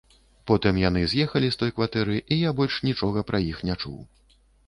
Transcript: Потым яны з'ехалі з той кватэры, і я больш нічога пра іх не чуў.